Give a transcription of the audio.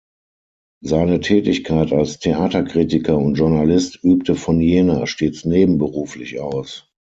Seine Tätigkeit als Theaterkritiker und Journalist übte von Jena stets nebenberuflich aus.